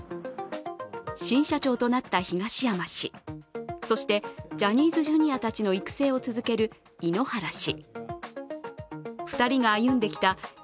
新社長となった東山氏、そして、ジャニーズＪｒ．たちの育成を続ける井ノ原氏。